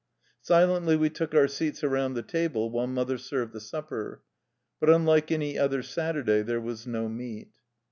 Silently we took our seats around the table, while mother served the supper. But unlike any other Saturday there was no meat.